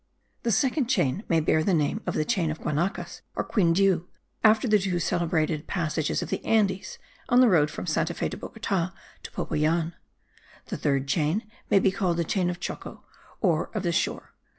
The second chain may bear the name of the chain of Guanacas or Quindiu, after the two celebrated passages of the Andes, on the road from Santa Fe de Bogota to Popayan. The third chain may be called the chain of Choco, or of the shore.